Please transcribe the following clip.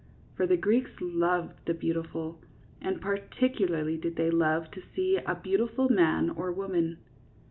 For the Greeks loved the beautiful, and particu larly did they love to see a beautiful man or woman.